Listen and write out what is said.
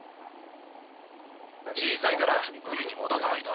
小さいから海にもどさないと。